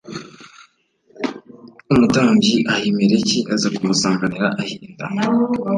umutambyi ahimeleki aza kumusanganira ahinda